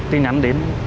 tin nhắn đến